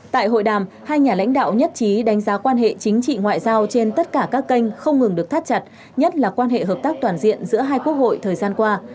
tại hội đàm hai nhà lãnh đạo nhất trí đánh giá quan hệ chính trị ngoại giao trên tất cả các kênh không ngừng được thắt chặt nhất là quan hệ hợp tác toàn diện giữa hai quốc hội thời gian qua